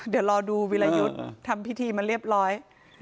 เดี๋ยวรอดูวิรายุทธ์ทำพิธีมาเรียบร้อย